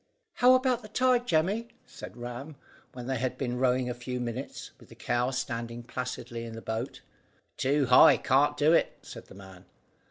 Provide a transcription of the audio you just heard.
"How about the tide, Jemmy?" said Ram, when they had been rowing a few minutes, with the cow standing placidly in the boat. "Too high, can't do it," said the man.